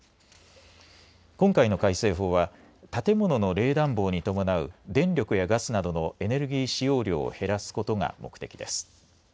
今回の改正法は建物の冷暖房に伴う電力やガスなどのエネルギー使用量を減らすことが目的です。